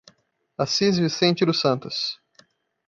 Assis Vicente dos Santos